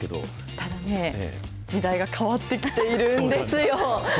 ただね、時代が変わってきているんですよ。